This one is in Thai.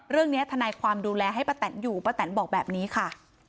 ทนายความดูแลให้ป้าแตนอยู่ป้าแตนบอกแบบนี้ค่ะ